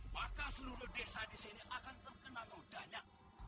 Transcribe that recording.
maka seluruh desa di sini akan terkena lodanya